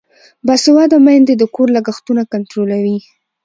باسواده میندې د کور لګښتونه کنټرولوي.